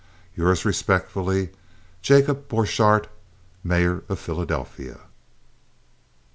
Yours respectfully, JACOB BORCHARDT, _Mayor of Philadelphia.